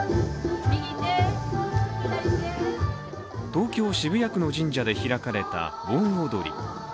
東京・渋谷区の神社で開かれた盆踊り。